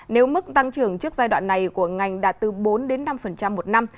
nếu mức tăng trưởng trước giai đoạn này của ngành đạt từ bốn năm một năm